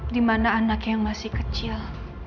di mana anak yang masih kecil